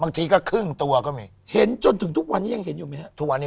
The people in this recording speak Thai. บางทีก็ครึ่งตัวก็มีเห็นจนถึงทุกวันนี้ยังเห็นอยู่ไหมฮะทุกวันนี้